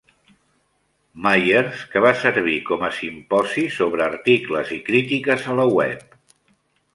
Myers, que va servir com a simposi sobre articles i crítiques a la web.